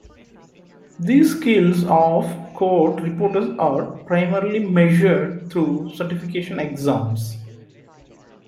These skills of court reporters are primarily measured through certification exams.